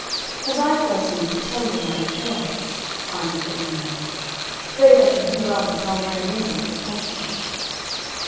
"Have I, forsooth, to tell you my affairs?" answered Jennariello. "Faith I should do well to tell my reason to the constable."